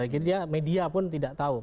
jadi media pun tidak tahu